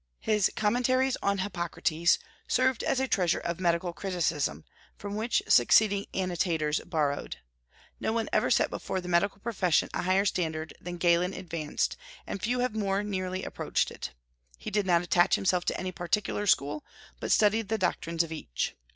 His "Commentaries on Hippocrates" served as a treasure of medical criticism, from which succeeding annotators borrowed. No one ever set before the medical profession a higher standard than Galen advanced, and few have more nearly approached it. He did not attach himself to any particular school, but studied the doctrines of each.